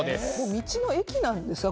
道の駅なんですか？